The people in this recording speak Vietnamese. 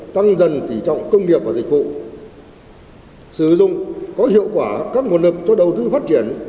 tăng dần tỉ trọng công nghiệp và dịch vụ sử dụng có hiệu quả các nguồn lực cho đầu tư phát triển